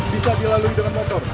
bisa dilalui dengan motor